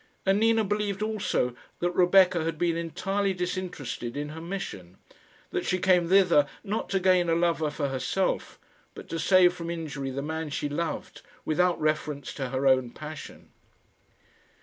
And Nina believed also that Rebecca had been entirely disinterested in her mission that she came thither, not to gain a lover for herself, but to save from injury the man she loved, without reference to her own passion.